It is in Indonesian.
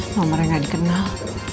nomornya gak dikenal